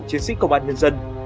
chiến sĩ công an nhân dân